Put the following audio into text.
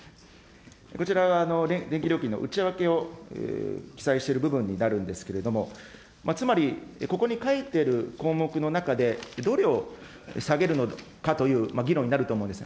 こちらが電気料金の内訳を記載している部分になるんですけれども、つまりここに書いてる項目の中で、どれを下げるのかという議論になると思うんです。